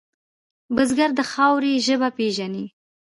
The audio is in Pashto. بزګر د خاورې ژبه پېژني